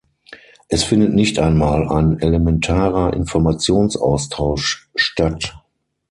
Es findet nicht einmal ein elementarer Informationsaustausch statt.